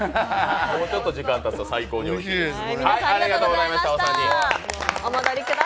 もうちょっと時間たつと最高においしいです。